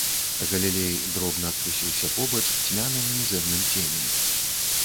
Галілей дробна трусіўся побач цьмяным мізэрным ценем.